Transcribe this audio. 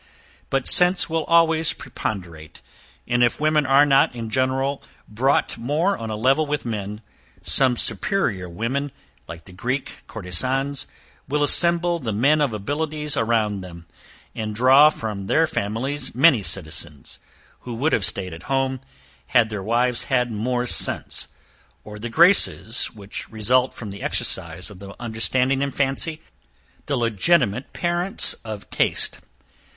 But sense will always preponderate; and if women are not, in general, brought more on a level with men, some superior women, like the Greek courtezans will assemble the men of abilities around them, and draw from their families many citizens, who would have stayed at home, had their wives had more sense, or the graces which result from the exercise of the understanding and fancy, the legitimate parents of taste.